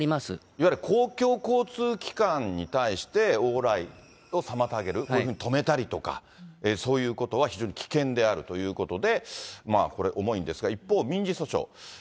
いわゆる公共交通機関に対して、往来を妨げる、こういうふうに止めたりとか、そういうことは非常に危険であるということで、これ、重いんですが、一方、民事訴訟。